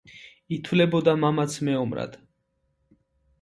ითვლებოდა მამაც მეომრად.